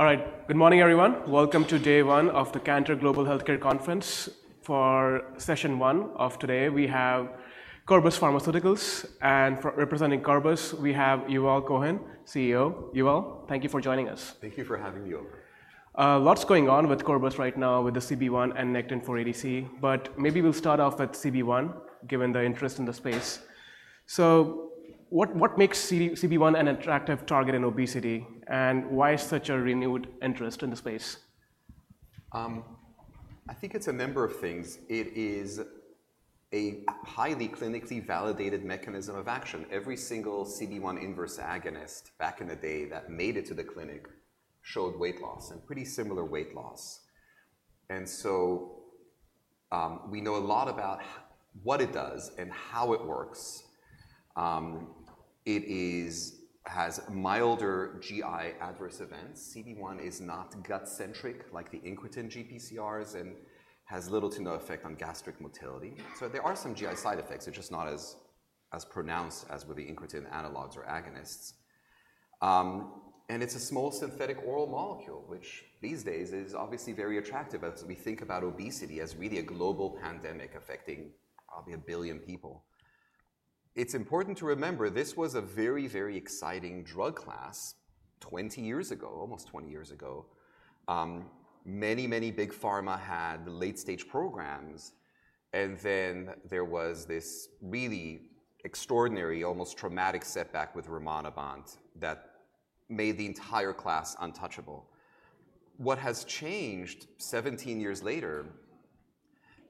All right. Good morning, everyone. Welcome to day one of the Cantor Global Healthcare Conference. For session one of today, we have Corbus Pharmaceuticals, and for representing Corbus, we have Yuval Cohen, CEO. Yuval, thank you for joining us. Thank you for having me over. Lots going on with Corbus right now with the CB-1 and Nectin-4 ADC, but maybe we'll start off with CB-1, given the interest in the space. What makes CB-1 an attractive target in obesity, and why such a renewed interest in the space? I think it's a number of things. It is a highly clinically validated mechanism of action. Every single CB-1 back in the day that made it to the clinic showed weight loss, and pretty similar weight loss. And so, we know a lot about what it does and how it works. It is, has milder GI adverse events. CB-1 is not gut-centric like the incretin GPCRs and has little to no effect on gastric motility. So there are some GI side effects, they're just not as pronounced as with the incretin analogs or agonists. And it's a small synthetic oral molecule, which these days is obviously very attractive as we think about obesity as really a global pandemic affecting probably a billion people. It's important to remember, this was a very, very exciting drug class twenty years ago, almost twenty years ago. Many, many big pharma had late-stage programs, and then there was this really extraordinary, almost traumatic setback with Rimonabant that made the entire class untouchable. What has changed 17 years later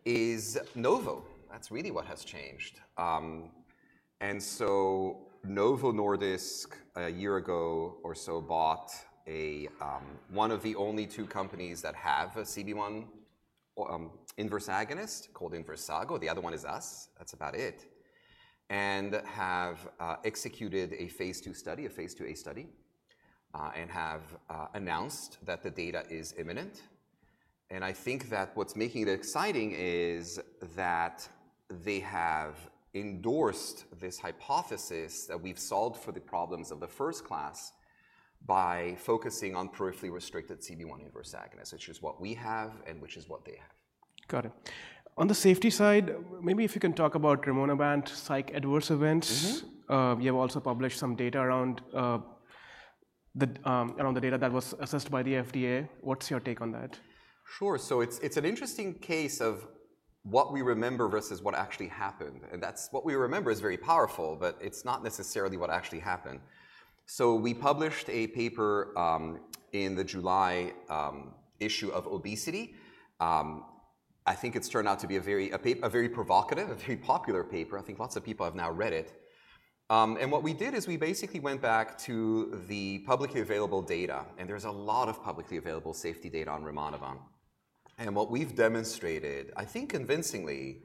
is Novo. That's really what has changed. And so Novo Nordisk, a year ago or so, bought a one of the only two companies that have a CB-1, called Inversago. The other one is us. That's about it. And have executed a phase II study, a phase IIa study, and have announced that the data is imminent. And I think that what's making it exciting is that they have endorsed this hypothesis that we've solved for the problems of the first class by focusing on peripherally restricted CB-1 s, which is what we have and which is what they have. Got it. On the safety side, maybe if you can talk about Rimonabant psych adverse events. Mm-hmm. You have also published some data around the data that was assessed by the FDA. What's your take on that? Sure. So it's an interesting case of what we remember versus what actually happened, and that's... What we remember is very powerful, but it's not necessarily what actually happened. We published a paper in the July issue of Obesity. I think it's turned out to be a very provocative, very popular paper. I think lots of people have now read it. And what we did is we basically went back to the publicly available data, and there's a lot of publicly available safety data on Rimonabant. And what we've demonstrated, I think convincingly,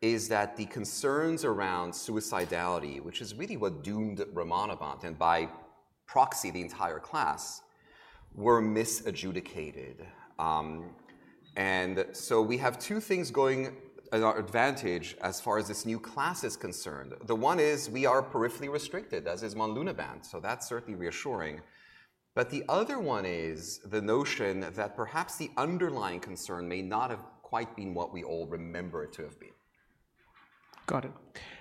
is that the concerns around suicidality, which is really what doomed Rimonabant, and by proxy, the entire class, were misadjudicated. And so we have two things going in our advantage as far as this new class is concerned. The one is we are peripherally restricted, as is Monlunabant, so that's certainly reassuring. But the other one is the notion that perhaps the underlying concern may not have quite been what we all remember it to have been. Got it.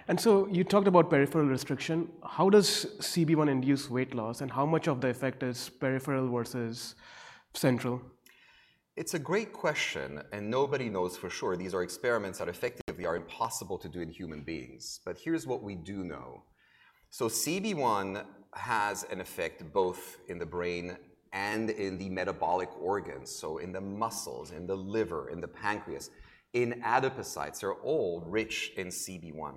And so you talked about peripheral restriction. How does CB-1 induce weight loss, and how much of the effect is peripheral versus central? It's a great question, and nobody knows for sure. These are experiments that effectively are impossible to do in human beings, but here's what we do know. So CB-1 has an effect both in the brain and in the metabolic organs, so in the muscles, in the liver, in the pancreas, in adipocytes. They're all rich in CB-1.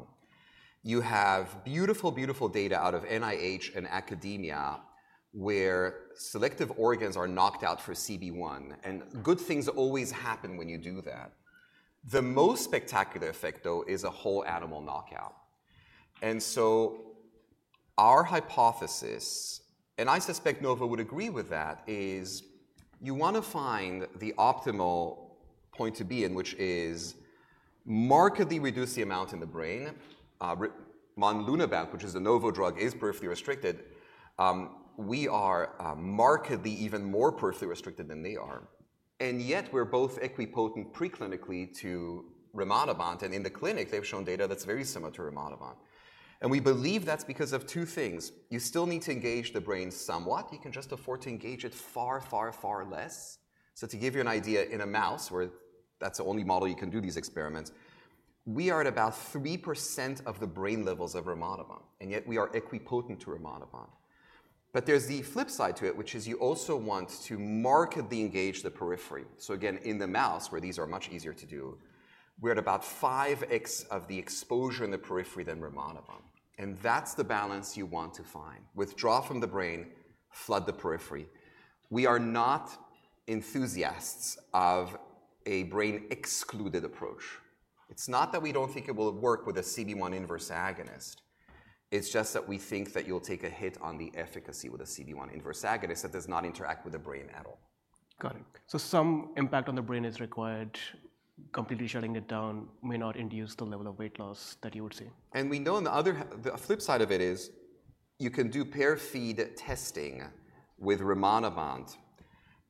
You have beautiful, beautiful data out of NIH and academia, where selective organs are knocked out for CB-1, and good things always happen when you do that. The most spectacular effect, though, is a whole animal knockout. And so our hypothesis, and I suspect Novo would agree with that, is you wanna find the optimal point to be in, which is markedly reduce the amount in the brain. Monlunabant, which is a Novo drug, is peripherally restricted. We are markedly even more peripherally restricted than they are, and yet we're both equipotent preclinically to Rimonabant, and in the clinic, they've shown data that's very similar to Rimonabant. And we believe that's because of two things. You still need to engage the brain somewhat. You can just afford to engage it far, far, far less. So to give you an idea, in a mouse, where that's the only model you can do these experiments, we are at about 3% of the brain levels of Rimonabant, and yet we are equipotent to Rimonabant. But there's the flip side to it, which is you also want to markedly engage the periphery. So again, in the mouse, where these are much easier to do, we're at about 5X of the exposure in the periphery than Rimonabant, and that's the balance you want to find. Withdraw from the brain, flood the periphery. We are not enthusiasts of a brain-excluded approach. It's not that we don't think it will work with a CB-1, it's just that we think that you'll take a hit on the efficacy with a CB-1 that does not interact with the brain at all.... Got it. So some impact on the brain is required. Completely shutting it down may not induce the level of weight loss that you would see? We know on the other hand, the flip side of it is, you can do pair feed testing with Rimonabant,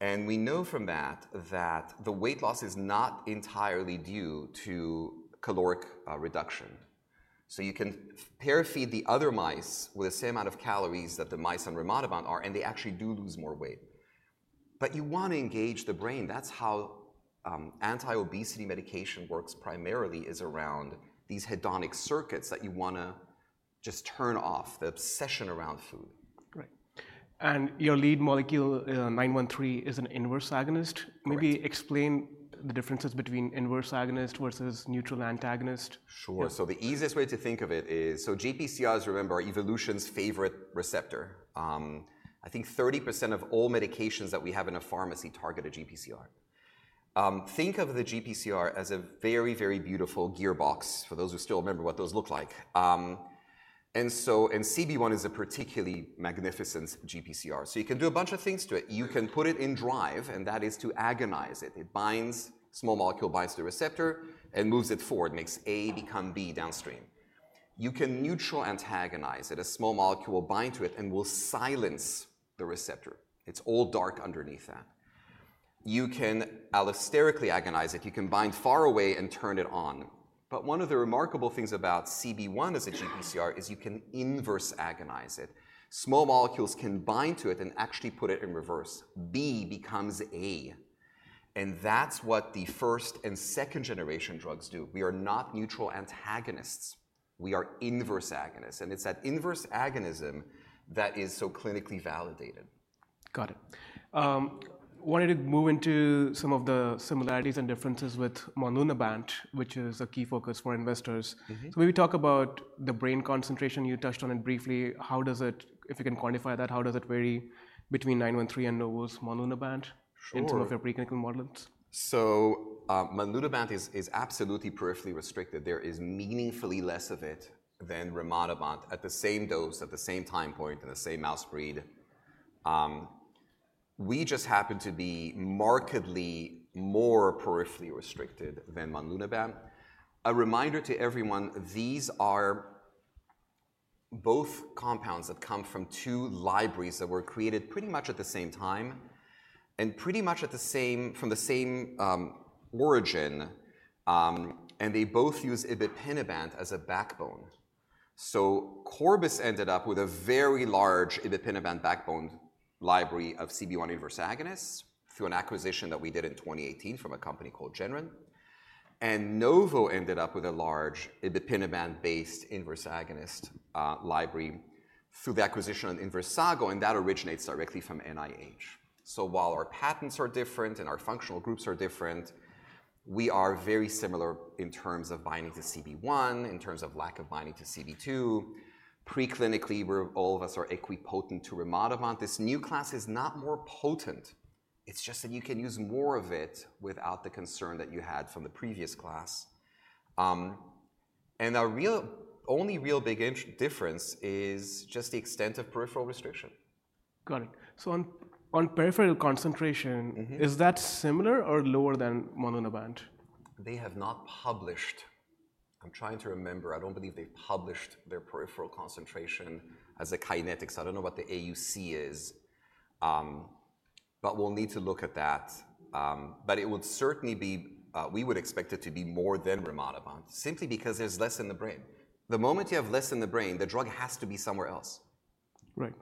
and we know from that that the weight loss is not entirely due to caloric reduction. You can pair feed the other mice with the same amount of calories that the mice on Rimonabant are, and they actually do lose more weight. You want to engage the brain. That's how anti-obesity medication works primarily, is around these hedonic circuits that you wanna just turn off the obsession around food. Right. And your lead molecule, 913, is an? Correct. Maybe explain the differences between versus neutral antagonist. Sure. So the easiest way to think of it is, so GPCRs, remember, are evolution's favorite receptor. I think 30% of all medications that we have in a pharmacy target a GPCR. Think of the GPCR as a very, very beautiful gearbox, for those who still remember what those look like. And so, CB-1 is a particularly magnificent GPCR. So you can do a bunch of things to it. You can put it in drive, and that is to agonize it. It binds, small molecule binds to the receptor and moves it forward, makes A become B downstream. You can neutral antagonize it. A small molecule will bind to it and will silence the receptor. It's all dark underneath that. You can allosterically agonize it. You can bind far away and turn it on. But one of the remarkable things about CB-1 as a GPCR is you can inverse agonize it. Small molecules can bind to it and actually put it in reverse. B becomes A, and that's what the first and second generation drugs do. We are not neutral antagonists. We are s, and it's that inverse agonism that is so clinically validated. Got it. Wanted to move into some of the similarities and differences with Monlunabant, which is a key focus for investors. Mm-hmm. So maybe talk about the brain concentration. You touched on it briefly. How does it... If you can quantify that, how does it vary between 913 and Novo's Monlunabant- Sure - in terms of their preclinical models? So, Monlunabant is absolutely peripherally restricted. There is meaningfully less of it than Rimonabant at the same dose, at the same time point, in the same mouse breed. We just happen to be markedly more peripherally restricted than Monlunabant. A reminder to everyone, these are both compounds that come from two libraries that were created pretty much at the same time and pretty much from the same origin, and they both use ibipinabant as a backbone. So Corbus ended up with a very large ibipinabant backbone library of CB-1 s through an acquisition that we did in 2018 from a company called Jenrin. And Novo ended up with a large ibipinabant-based library through the acquisition of Inversago, and that originates directly from NIH. While our patents are different and our functional groups are different, we are very similar in terms of binding to CB-1, in terms of lack of binding to CB2. Preclinically, all of us are equipotent to rimonabant. This new class is not more potent. It's just that you can use more of it without the concern that you had from the previous class. And our only real big difference is just the extent of peripheral restriction. Got it. So, on peripheral concentration- Mm-hmm... is that similar or lower than Monlunabant? They have not published. I'm trying to remember. I don't believe they've published their peripheral concentrations pharmacokinetics. I don't know what the AUC is, but we'll need to look at that, but it would certainly be, we would expect it to be more than rimonabant simply because there's less in the brain. The moment you have less in the brain, the drug has to be somewhere else. Right.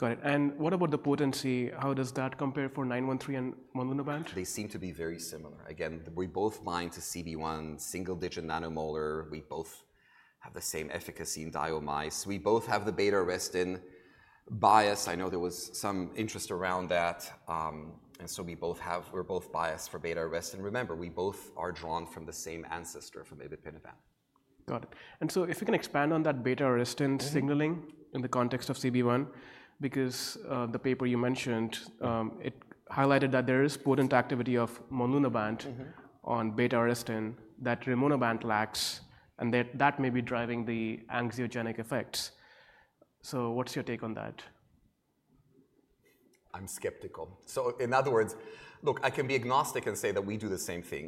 Got it. And what about the potency? How does that compare for 913 and Monlunabant? They seem to be very similar. Again, we both bind to CB-1, single-digit nanomolar. We both have the beta-arrestin bias. I know there was some interest around that, and so we both have-- we're both biased for beta-arrestin. Remember, we both are drawn from the same ancestor, from ibipinabant. Got it, and so if you can expand on that beta-arrestin. Mm-hmm... signaling in the context of CB-1, because, the paper you mentioned, it highlighted that there is potent activity of Monlunabant- Mm-hmm... on Beta-arrestin that Rimonabant lacks, and that may be driving the anxiogenic effects. So what's your take on that? I'm skeptical. So in other words, look, I can be agnostic and say that we do the same thing,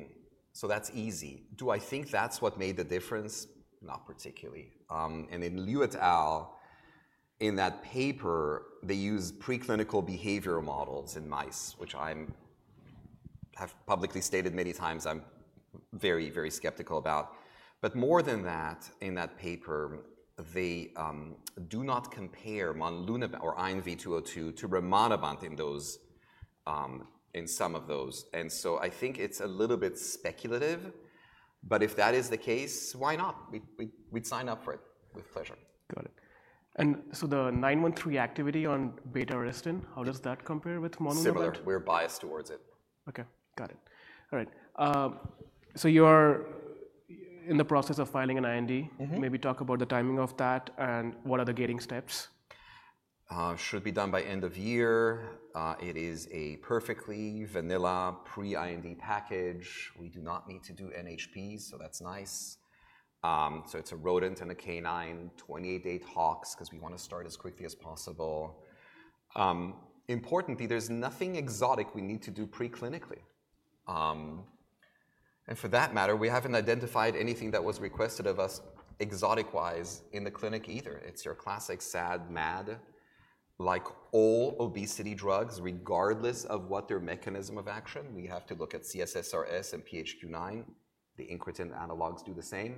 so that's easy. Do I think that's what made the difference? Not particularly. And in Liu et al., in that paper, they used preclinical behavior models in mice, which I have publicly stated many times I'm very, very skeptical about. But more than that, in that paper, they do not compare Monlunabant or INV-202 to Rimonabant in those, in some of those. And so I think it's a little bit speculative, but if that is the case, why not? We'd sign up for it with pleasure. Got it. And so the 913 activity on Beta-arrestin, how does that compare with Monlunabant? Similar. We're biased towards it. Okay, got it. All right, so you are in the process of filing an IND. Mm-hmm. Maybe talk about the timing of that and what are the gating steps. Should be done by end of year. It is a perfectly vanilla pre-IND package. We do not need to do NHP, so that's nice, so it's a rodent and a canine, 28-day tox 'cause we wanna start as quickly as possible. Importantly, there's nothing exotic we need to do preclinically and, for that matter, we haven't identified anything that was requested of us exotic-wise in the clinic either. It's your classic SAD, MAD. Like all obesity drugs, regardless of what their mechanism of action, we have to look at CSSRS and PHQ-9. The incretin analogs do the same,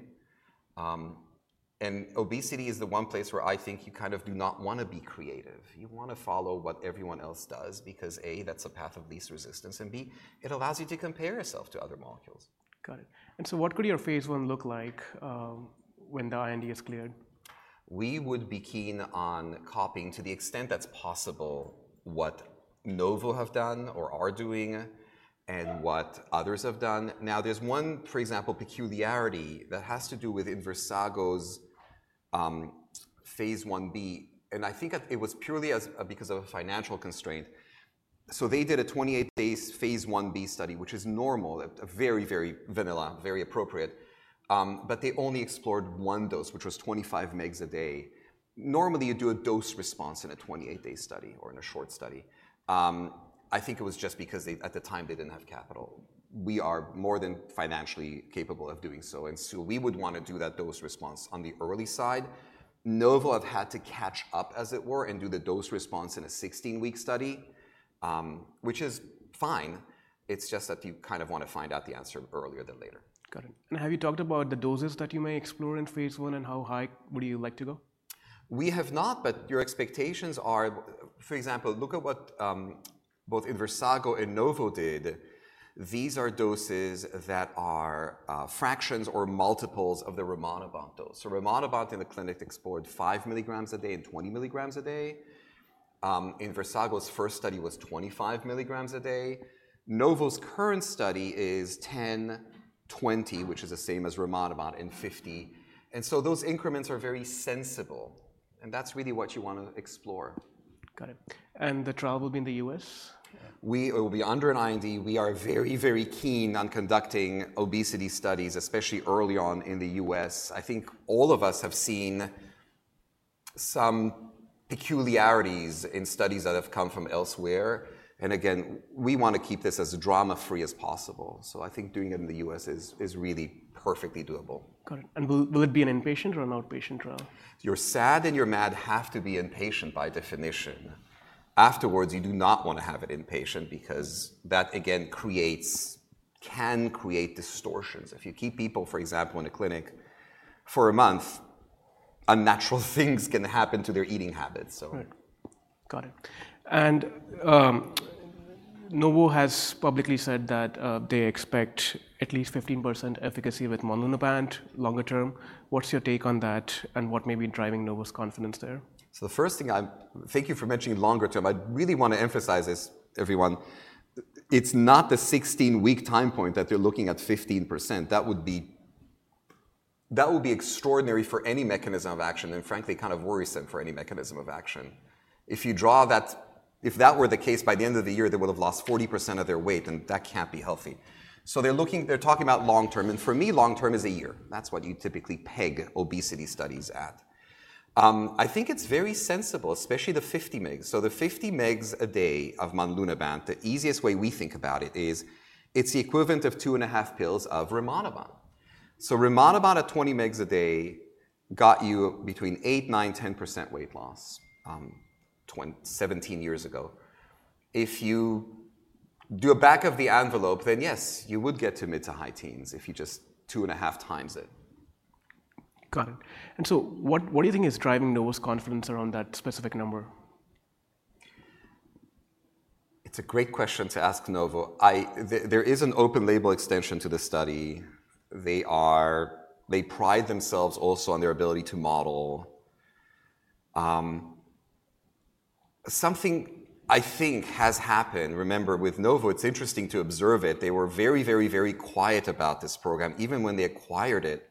and obesity is the one place where I think you kind of do not wanna be creative. You wanna follow what everyone else does because, A, that's the path of least resistance, and B, it allows you to compare yourself to other molecules. Got it. And so what could your phase I look like, when the IND is cleared? We would be keen on copying, to the extent that's possible, what Novo have done or are doing and what others have done. Now, there's one, for example, peculiarity that has to do with Inversago's phase Ib, and I think that it was purely because of a financial constraint. So they did a 28-day phase Ib study, which is normal, a very, very vanilla, very appropriate, but they only explored one dose, which was 25 mg a day. Normally, you do a dose response in a 28-day study or in a short study. I think it was just because they, at the time, they didn't have capital. We are more than financially capable of doing so, and so we would wanna do that dose response on the early side. Novo have had to catch up, as it were, and do the dose response in a sixteen-week study, which is fine. It's just that you kind of want to find out the answer earlier than later. Got it. And have you talked about the doses that you may explore in phase I, and how high would you like to go? We have not, but your expectations are... For example, look at what both Inversago and Novo did. These are doses that are fractions or multiples of the rimonabant dose. So rimonabant in the clinic explored five milligrams a day and 20 milligrams a day. Inversago's first study was 25 milligrams a day. Novo's current study is 10, 20, which is the same as rimonabant, and 50, and so those increments are very sensible, and that's really what you wanna explore. Got it. And the trial will be in the U.S.? It will be under an IND. We are very, very keen on conducting obesity studies, especially early on in the US. I think all of us have seen some peculiarities in studies that have come from elsewhere, and again, we wanna keep this as drama-free as possible. So I think doing it in the US is really perfectly doable. Got it. And will it be an inpatient or an outpatient trial? Your SAD and your MAD have to be inpatient by definition. Afterwards, you do not wanna have it inpatient because that, again, creates, can create distortions. If you keep people, for example, in a clinic for a month, unnatural things can happen to their eating habits, so. Right. Got it. And, Novo has publicly said that, they expect at least 15% efficacy with Monlunabant longer term. What's your take on that, and what may be driving Novo's confidence there? Thank you for mentioning longer term. I really wanna emphasize this, everyone. It's not the sixteen-week time point that they're looking at 15%. That would be, that would be extraordinary for any mechanism of action, and frankly, kind of worrisome for any mechanism of action. If that were the case, by the end of the year, they would have lost 40% of their weight, and that can't be healthy. So they're looking. They're talking about long term, and for me, long term is a year. That's what you typically peg obesity studies at. I think it's very sensible, especially the 50 mg. So the 50 mg a day of Monlunabant, the easiest way we think about it is it's the equivalent of two and a half pills of Rimonabant. Rimonabant at 20 mgs a day got you between 8, 9, 10% weight loss, seventeen years ago. If you do a back-of-the-envelope, then yes, you would get to mid- to high teens if you just two and a half times it. Got it. And so what, what do you think is driving Novo's confidence around that specific number? It's a great question to ask Novo. There is an open-label extension to the study. They pride themselves also on their ability to model. Something I think has happened, remember with Novo, it's interesting to observe it, they were very, very, very quiet about this program, even when they acquired it,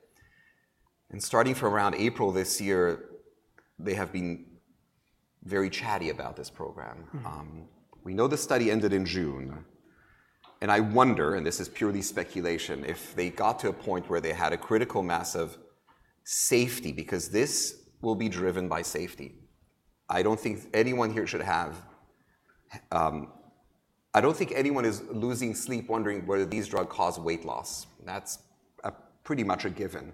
and starting from around April this year, they have been very chatty about this program. Mm-hmm. We know the study ended in June, and I wonder, and this is purely speculation, if they got to a point where they had a critical mass of safety, because this will be driven by safety. I don't think anyone is losing sleep wondering whether these drugs cause weight loss. That's pretty much a given.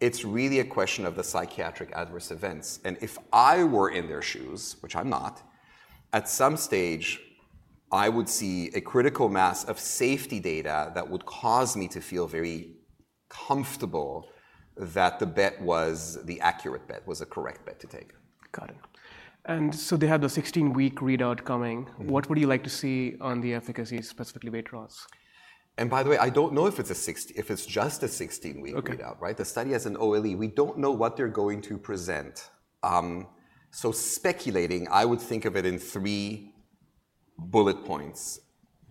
It's really a question of the psychiatric adverse events, and if I were in their shoes, which I'm not, at some stage, I would see a critical mass of safety data that would cause me to feel very comfortable that the bet was the accurate bet, was the correct bet to take. Got it. And so they have the 16-week readout coming. Mm-hmm. What would you like to see on the efficacy, specifically weight loss? And by the way, I don't know if it's just a sixteen-week readout, right? Okay. The study has an OLE. We don't know what they're going to present, so speculating, I would think of it in three bullet points.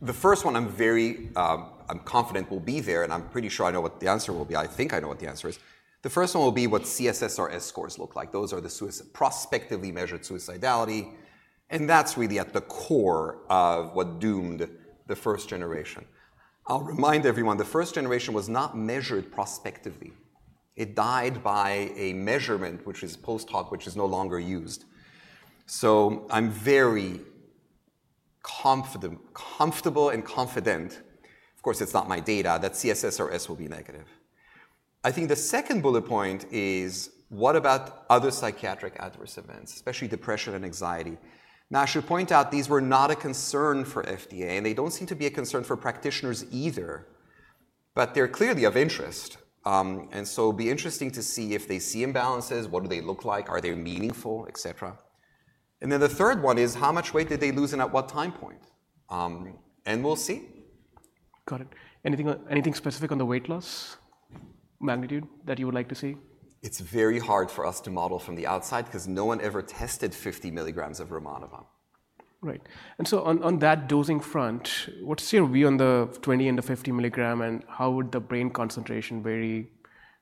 The first one, I'm very, I'm confident will be there, and I'm pretty sure I know what the answer will be. I think I know what the answer is. The first one will be what CSSRS scores look like. Those are the prospectively measured suicidality, and that's really at the core of what doomed the first generation. I'll remind everyone, the first generation was not measured prospectively. It died by a measurement, which is post hoc, which is no longer used, so I'm very confident, comfortable and confident. Of course, it's not my data that CSSRS will be negative. I think the second bullet point is: what about other psychiatric adverse events, especially depression and anxiety? Now, I should point out these were not a concern for FDA, and they don't seem to be a concern for practitioners either, but they're clearly of interest, and so it'll be interesting to see if they see imbalances, what do they look like, are they meaningful, et cetera. And then the third one is: how much weight did they lose, and at what time point, and we'll see. Got it. Anything, anything specific on the weight loss magnitude that you would like to see? It's very hard for us to model from the outside because no one ever tested 50 milligrams of Rimonabant. Right. And so on, on that dosing front, what's your view on the 20 and the 50 milligram, and how would the brain concentration vary?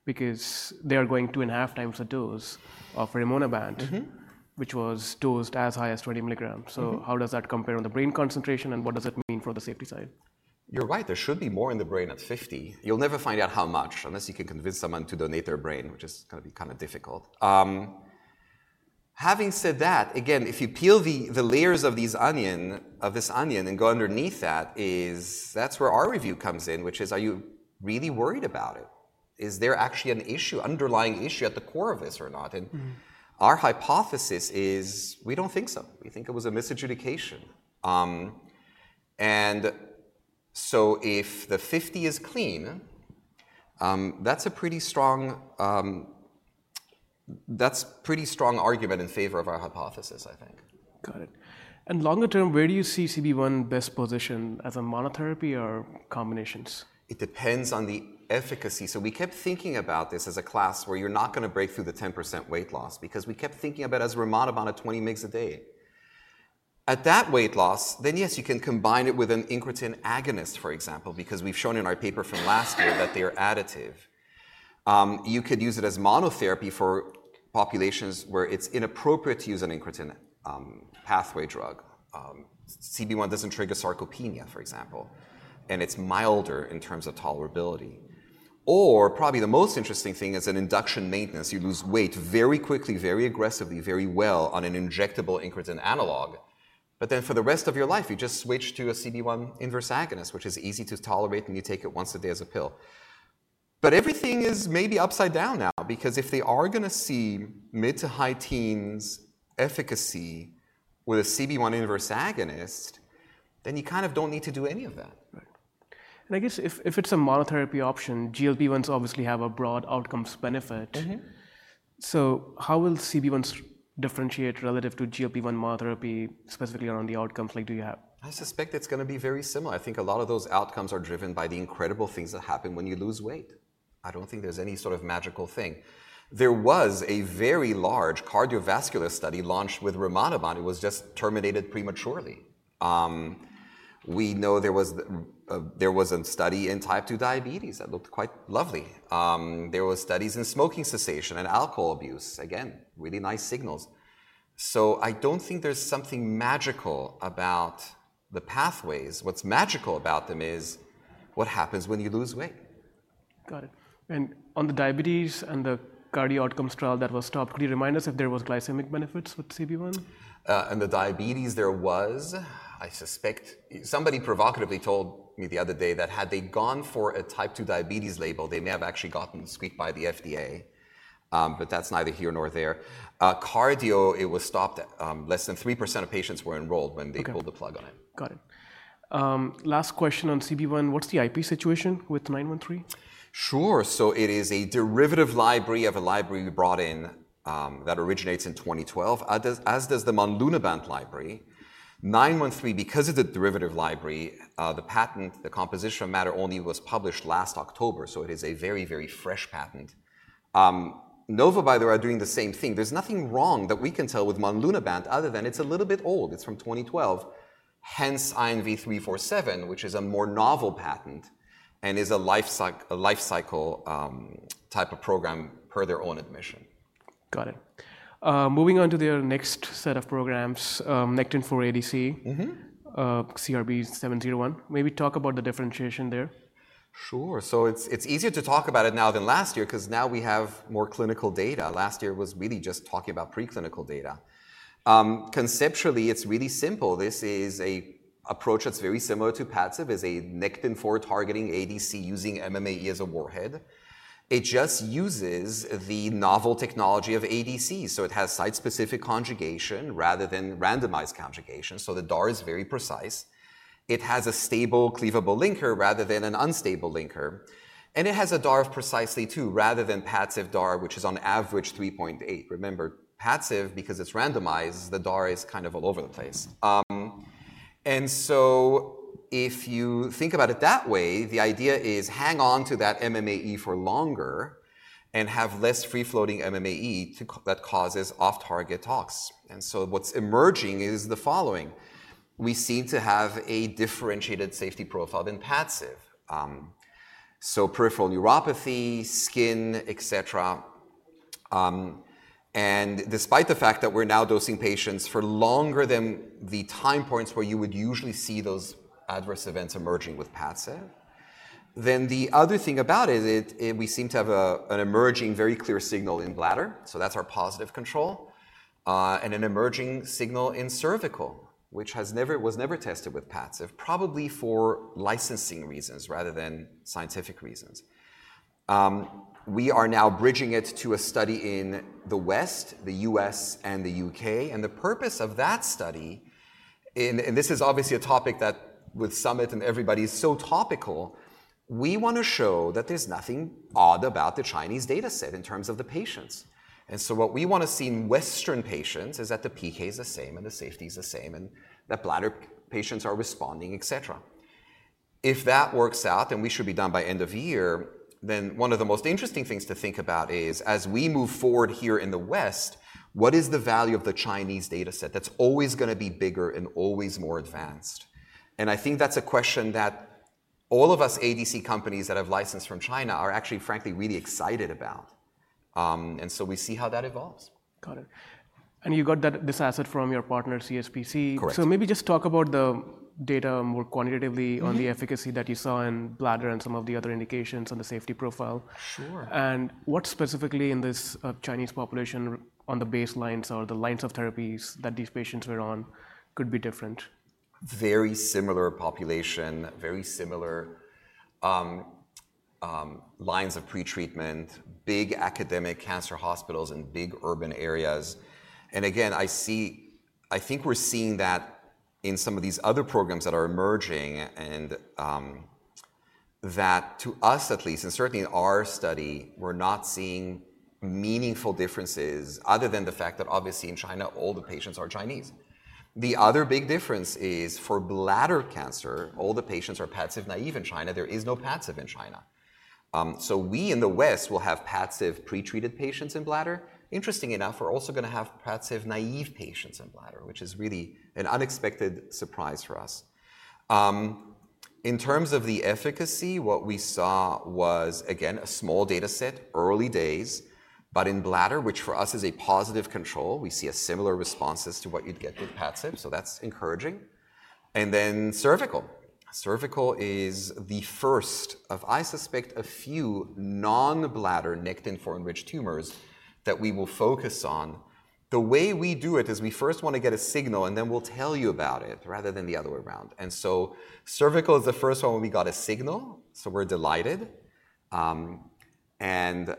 Because they are going two and a half times the dose of rimonabant- Mm-hmm... which was dosed as high as twenty milligrams. Mm-hmm. So how does that compare on the brain concentration, and what does it mean for the safety side? You're right, there should be more in the brain at fifty. You'll never find out how much, unless you can convince someone to donate their brain, which is gonna be kind of difficult. Having said that, again, if you peel the layers of this onion and go underneath that, that's where our review comes in, which is: are you really worried about it? Is there actually an issue, underlying issue at the core of this or not? Mm-hmm. And our hypothesis is we don't think so. We think it was a misadjudication. And so if the 50 is clean, that's a pretty strong argument in favor of our hypothesis, I think. Got it. And longer term, where do you see CB-1 best positioned, as a monotherapy or combinations? It depends on the efficacy. So we kept thinking about this as a class where you're not gonna break through the 10% weight loss, because we kept thinking about it as Rimonabant at 20 mg a day. At that weight loss, then, yes, you can combine it with an incretin agonist, for example, because we've shown in our paper from last year that they are additive. You could use it as monotherapy for populations where it's inappropriate to use an incretin pathway drug. CB-1 doesn't trigger sarcopenia, for example, and it's milder in terms of tolerability, or probably the most interesting thing is in induction maintenance, you lose weight very quickly, very aggressively, very well on an injectable incretin analog. But then for the rest of your life, you just switch to a CB-1, which is easy to tolerate, and you take it once a day as a pill. But everything is maybe upside down now because if they are gonna see mid- to high-teens efficacy with a CB-1, then you kind of don't need to do any of that. Right. I guess if it's a monotherapy option, GLP-1s obviously have a broad outcomes benefit. Mm-hmm. So how will CB-1s differentiate relative to GLP-1 monotherapy, specifically around the outcomes, like do you have? I suspect it's gonna be very similar. I think a lot of those outcomes are driven by the incredible things that happen when you lose weight. I don't think there's any sort of magical thing. There was a very large cardiovascular study launched with Rimonabant. It was just terminated prematurely. We know there was a study in Type 2 diabetes that looked quite lovely. There were studies in smoking cessation and alcohol abuse, again, really nice signals. So I don't think there's something magical about the pathways. What's magical about them is what happens when you lose weight. Got it. And on the diabetes and the cardio outcomes trial that was stopped, could you remind us if there was glycemic benefits with CB-1? On the diabetes there was. I suspect somebody provocatively told me the other day that had they gone for a Type 2 diabetes label, they may have actually gotten squeaked by the FDA, but that's neither here nor there. Cardio, it was stopped at less than 3% of patients were enrolled when they- Okay... pulled the plug on it. Got it. Last question on CB-1, what's the IP situation with CRB-913? Sure. So it is a derivative library of a library we brought in, that originates in 2012, as does the Rimonabant library. 913, because of the derivative library, the patent, the composition of matter only was published last October, so it is a very, very fresh patent. Novo, by the way, are doing the same thing. There's nothing wrong that we can tell with Rimonabant other than it's a little bit old. It's from 2012, hence INV-202, which is a more novel patent and is a life cycle type of program, per their own admission. Got it. Moving on to their next set of programs, Nectin-4 ADC- Mm-hmm... CRB-701. Maybe talk about the differentiation there. Sure. So it's easier to talk about it now than last year 'cause now we have more clinical data. Last year was really just talking about preclinical data. Conceptually, it's really simple. This is a approach that's very similar to Padcev, is a nectin-4 targeting ADC using MMAE as a warhead. It just uses the novel technology of ADC, so it has site-specific conjugation rather than randomized conjugation, so the DAR is very precise. It has a stable cleavable linker rather than an unstable linker, and it has a DAR of precisely two, rather than Padcev DAR, which is on average three point eight. Remember, Padcev, because it's randomized, the DAR is kind of all over the place. And so if you think about it that way, the idea is hang on to that MMAE for longer and have less free-floating MMAE that causes off-target tox. And so what's emerging is the following: We seem to have a differentiated safety profile than Padcev, so peripheral neuropathy, skin, et cetera. And despite the fact that we're now dosing patients for longer than the time points where you would usually see those adverse events emerging with Padcev... Then the other thing about it is we seem to have an emerging very clear signal in bladder, so that's our positive control. And an emerging signal in cervical, which was never tested with Padcev, probably for licensing reasons rather than scientific reasons. We are now bridging it to a study in the West, the U.S. and the U.K., and the purpose of that study, and this is obviously a topic that with Summit and everybody is so topical. We want to show that there's nothing odd about the Chinese dataset in terms of the patients. So what we want to see in Western patients is that the PK is the same, and the safety is the same, and that bladder patients are responding, et cetera. If that works out, and we should be done by end of year, then one of the most interesting things to think about is, as we move forward here in the West, what is the value of the Chinese dataset. That's always going to be bigger and always more advanced. And I think that's a question that all of us, ADC companies that have licensed from China, are actually, frankly, really excited about. And so we see how that evolves. Got it. And you got that this asset from your partner, CSPC? Correct. So maybe just talk about the data more quantitatively- Mm-hmm. on the efficacy that you saw in bladder and some of the other indications on the safety profile. Sure. And what specifically in this Chinese population on the baselines or the lines of therapies that these patients were on could be different? Very similar population, very similar lines of pre-treatment, big academic cancer hospitals in big urban areas, and again, I see. I think we're seeing that in some of these other programs that are emerging, and that to us at least, and certainly in our study, we're not seeing meaningful differences other than the fact that obviously in China, all the patients are Chinese. The other big difference is, for bladder cancer, all the patients are Padcev naive in China. There is no Padcev in China, so we in the West will have Padcev pre-treated patients in bladder. Interesting enough, we're also going to have Padcev-naive patients in bladder, which is really an unexpected surprise for us. In terms of the efficacy, what we saw was, again, a small dataset, early days, but in bladder, which for us is a positive control, we see a similar response as to what you'd get with Padcev, so that's encouraging, and then cervical. Cervical is the first of, I suspect, a few non-bladder Nectin-4-enriched tumors that we will focus on. The way we do it is we first want to get a signal, and then we'll tell you about it, rather than the other way around, so cervical is the first one where we got a signal, so we're delighted, and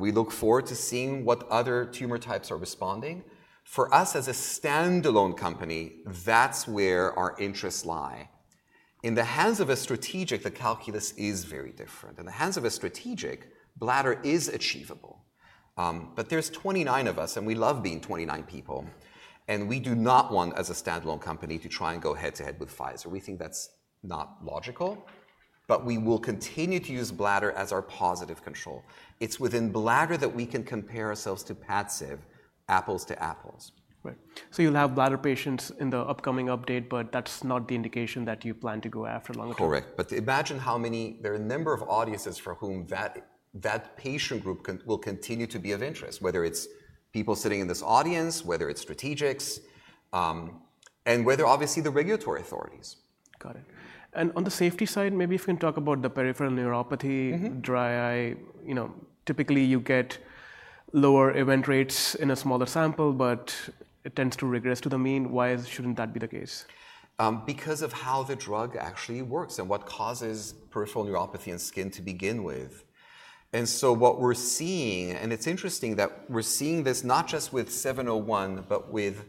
we look forward to seeing what other tumor types are responding. For us as a standalone company, that's where our interests lie. In the hands of a strategic, the calculus is very different. In the hands of a strategic, bladder is achievable. But there's 29 of us, and we love being 29 people, and we do not want, as a standalone company, to try and go head-to-head with Pfizer. We think that's not logical, but we will continue to use bladder as our positive control. It's within bladder that we can compare ourselves to Padcev, apples to apples. Right. So you'll have bladder patients in the upcoming update, but that's not the indication that you plan to go after long term? Correct. But imagine how many... There are a number of audiences for whom that patient group can will continue to be of interest, whether it's people sitting in this audience, whether it's strategics, and whether obviously, the regulatory authorities. Got it. And on the safety side, maybe if you can talk about the peripheral neuropathy- Mm-hmm. Dry eye. You know, typically, you get lower event rates in a smaller sample, but it tends to regress to the mean. Why shouldn't that be the case? Because of how the drug actually works and what causes peripheral neuropathy and skin to begin with. And so what we're seeing, and it's interesting that we're seeing this not just with 701, but with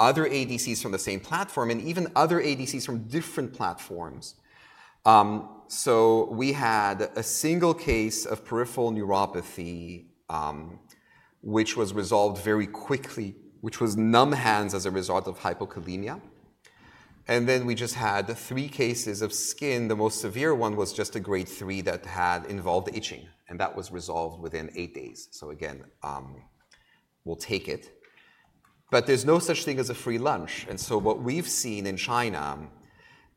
other ADCs from the same platform and even other ADCs from different platforms. So we had a single case of peripheral neuropathy, which was resolved very quickly, which was numb hands as a result of hypokalemia. And then we just had three cases of skin. The most severe one was just a grade three that had involved itching, and that was resolved within eight days. So again, we'll take it. But there's no such thing as a free lunch, and so what we've seen in China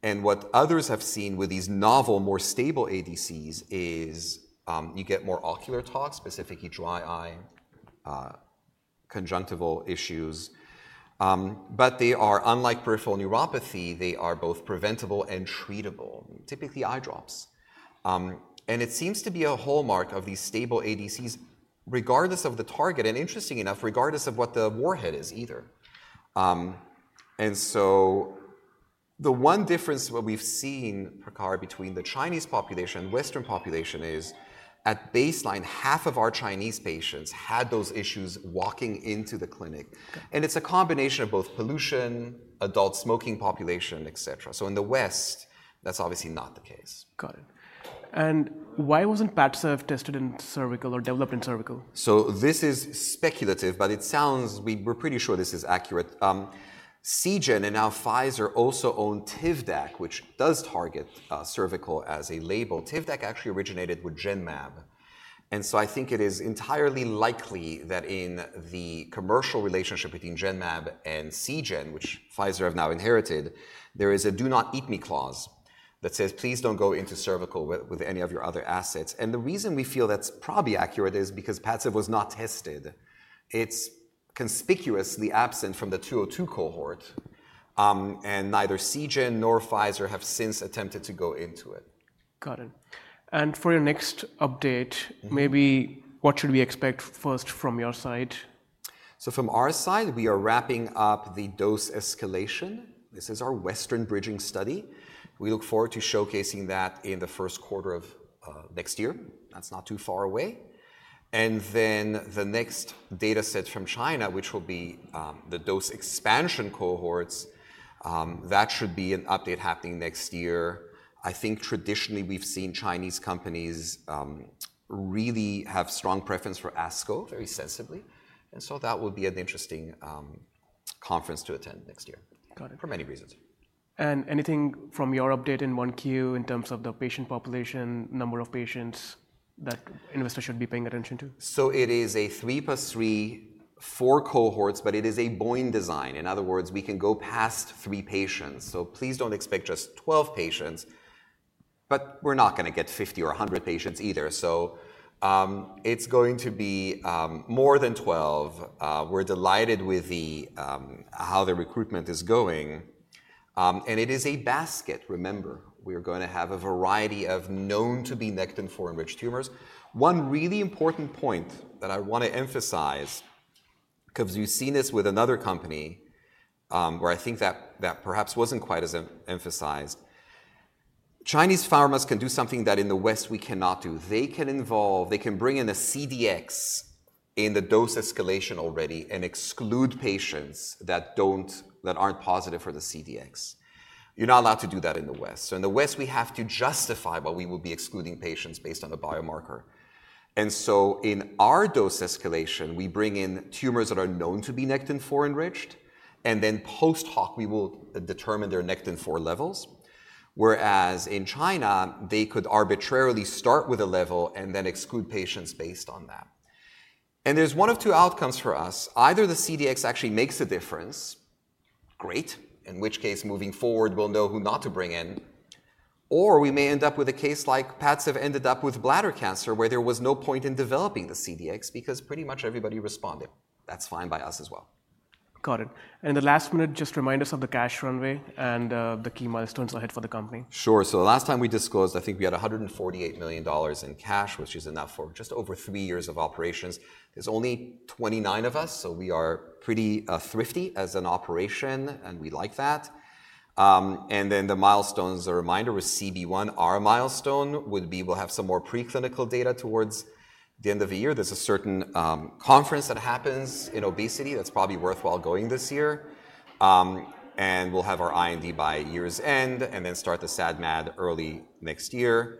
and what others have seen with these novel, more stable ADCs is, you get more ocular tox, specifically dry eye, conjunctival issues. But they are, unlike peripheral neuropathy, they are both preventable and treatable, typically eye drops. And it seems to be a hallmark of these stable ADCs, regardless of the target, and interestingly enough, regardless of what the warhead is either. And so the one difference what we've seen, Prakhar, between the Chinese population and Western population is, at baseline, half of our Chinese patients had those issues walking into the clinic. Got it. It's a combination of both pollution, adult smoking population, et cetera. In the West, that's obviously not the case. Got it. And why wasn't Padcev tested in cervical or developed in cervical? So this is speculative, but it sounds like we, we're pretty sure this is accurate. Seagen and now Pfizer also own Tivdak, which does target cervical as a label. Tivdak actually originated with Genmab, and so I think it is entirely likely that in the commercial relationship between Genmab and Seagen, which Pfizer has now inherited, there is a do not compete clause that says, "Please don't go into cervical with any of your other assets." And the reason we feel that's probably accurate is because Padcev was not tested. It's conspicuously absent from the 202 cohort. And neither Seagen nor Pfizer have since attempted to go into it. Got it. And for your next update- Mm-hmm. Maybe what should we expect first from your side? So from our side, we are wrapping up the dose escalation. This is our Western bridging study. We look forward to showcasing that in the first quarter of next year. That's not too far away. And then the next data set from China, which will be the dose expansion cohorts, that should be an update happening next year. I think traditionally we've seen Chinese companies really have strong preference for ASCO, very sensibly, and so that will be an interesting conference to attend next year. Got it. For many reasons. Anything from your update in 1Q in terms of the patient population, number of patients, that investors should be paying attention to? So it is a three plus three, four cohorts, but it is a BOIN design. In other words, we can go past three patients, so please don't expect just twelve patients, but we're not gonna get fifty or a hundred patients either. It's going to be more than twelve. We're delighted with the how the recruitment is going. And it is a basket, remember. We are gonna have a variety of known to be nectin-4 enriched tumors. One really important point that I wanna emphasize, 'cause we've seen this with another company, where I think that perhaps wasn't quite as emphasized. Chinese pharmas can do something that in the West we cannot do. They can bring in a CDX in the dose escalation already and exclude patients that aren't positive for the CDX. You're not allowed to do that in the West. So in the West, we have to justify why we will be excluding patients based on a biomarker. And so in our dose escalation, we bring in tumors that are known to be Nectin-4 enriched, and then post-hoc, we will determine their Nectin-4 levels. Whereas in China, they could arbitrarily start with a level and then exclude patients based on that. And there's one of two outcomes for us. Either the CDX actually makes a difference, great, in which case, moving forward, we'll know who not to bring in, or we may end up with a case like Padcev ended up with bladder cancer, where there was no point in developing the CDX because pretty much everybody responded. That's fine by us as well. Got it. And in the last minute, just remind us of the cash runway and the key milestones ahead for the company. Sure. So the last time we disclosed, I think we had $148 million in cash, which is enough for just over three years of operations. There's only 29 of us, so we are pretty thrifty as an operation, and we like that. And then the milestones, a reminder, with CB-1, our milestone would be we'll have some more preclinical data towards the end of the year. There's a certain conference that happens in obesity that's probably worthwhile going this year. And we'll have our IND by year's end, and then start the SAD MAD early next year.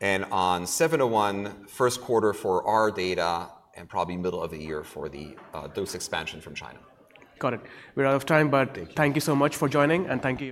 And on 701, first quarter for our data and probably middle of the year for the dose expansion from China. Got it. We're out of time, but- Thank you. Thank you so much for joining, and thank you.